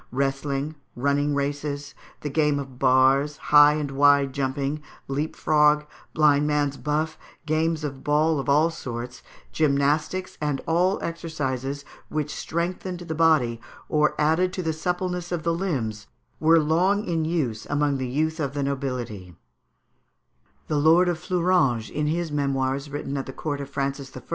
Wrestling, running races, the game of bars, high and wide jumping, leap frog, blind man's buff, games of ball of all sorts, gymnastics, and all exercises which strengthened the body or added to the suppleness of the limbs, were long in use among the youth of the nobility (Figs. 177 and 178). The Lord of Fleuranges, in his memoirs written at the court of Francis I.